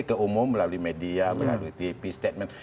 keumum melalui media melalui tv statement